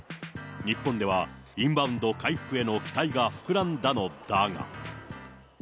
日本では、インバウンド回復への期待が膨らんだのだが。